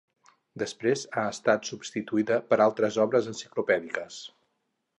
Després ha estat substituïda per altres obres enciclopèdiques.